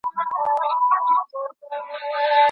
پر تاسو باندي په معروفه توګه د دوی د رزق او جامو حق دی.